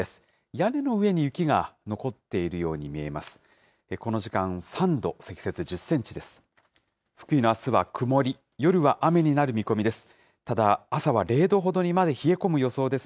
屋根の上に雪が残っているように見えます。